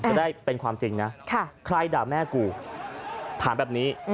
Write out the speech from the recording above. จะได้เป็นความจริงนะใครด่าแม่กูถามแบบนี้